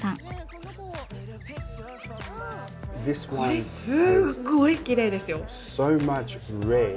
これすっごいきれいですよ。